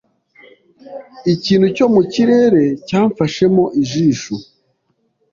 Ikintu cyo mu kirere cyamfashemo ijisho.